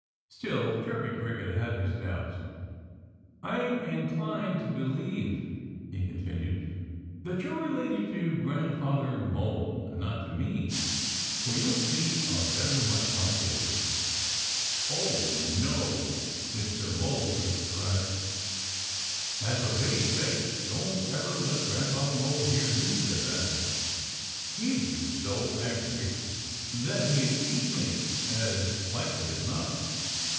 Still Chirpy Cricket had his doubts. "I'm inclined to believe," he continued, "that you're related to Grandfather Mole, and not to me. For your feet are very much like his." "Oh, no!" Mr. Mole Cricket cried. "And for pity's sake don't ever let Grandfather Mole hear you say that! He'd be so angry that he'd eat me, as likely as not.